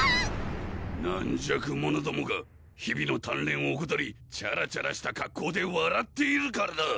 軟弱者どもが日々の鍛錬をおこたりチャラチャラした格好でわらっているからだ